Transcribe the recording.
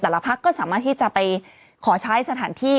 แต่ละพักก็สามารถไปขอใช้สถานที่